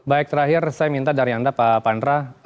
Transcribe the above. baik terakhir saya minta dari anda pak pandra